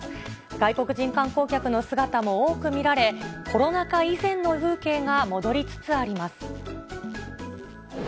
外国人観光客の姿も多く見られ、コロナ禍以前の風景が戻りつつあります。